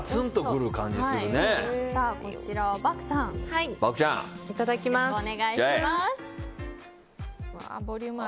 こちら、漠さんいただきます。